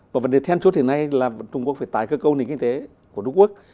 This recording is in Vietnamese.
và vấn đề thêm chút thì nay là trung quốc phải tài cơ cấu nền kinh tế của trung quốc